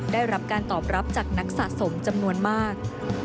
ได้รับการตอบรับจากนักสะสมจำนวนมาก